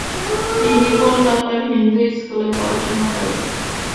তিনি কলকাতার হিন্দু স্কুলে পড়াশুনা করেন।